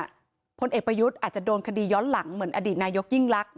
อาจจะโดนคดีย้อนหลังเหมือนอดีตนายกยิ่งลักษณ์